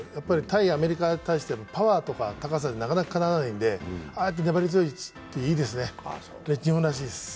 対アメリカに対してはパワーとか高さではなかなかかなわないんで、ああいった粘りっていいですね。